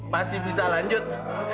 masih bisa lanjut